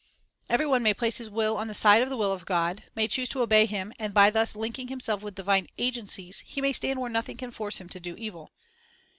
1 Every one may place his will on the side of the will of God, may choose to obey Him, and by thus linking himself with divine agencies, he may stand where nothing can force him to do evil.